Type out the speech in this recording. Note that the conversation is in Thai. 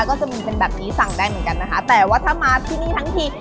ก็จะมีเป็นแบบนี้สั่งได้เหมือนกันนะคะแต่ว่าถ้ามาที่นี่ทั้งที